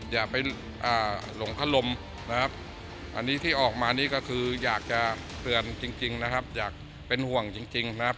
อย่าไปหลงพัดลมนะครับอันนี้ที่ออกมานี่ก็คืออยากจะเตือนจริงนะครับอยากเป็นห่วงจริงนะครับ